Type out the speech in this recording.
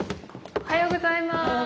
おはようございます。